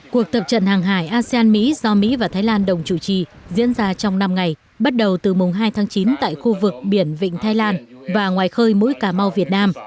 cuộc tập trận hàng hải asean mỹ do mỹ và thái lan đồng chủ trì diễn ra trong năm ngày bắt đầu từ mùng hai tháng chín tại khu vực biển vịnh thái lan và ngoài khơi mũi cà mau việt nam